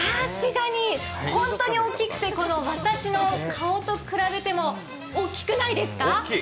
本当に大きくて私の顔を比べても大きくないですか？